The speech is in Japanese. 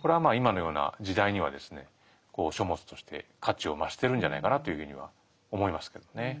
これは今のような時代にはですね書物として価値を増してるんじゃないかなというふうには思いますけどね。